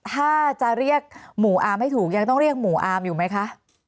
ถ้าจะเรียกหมู่อาร์มไม่ถูกยังต้องเรียกหมู่อาร์มอยู่ไหมคะ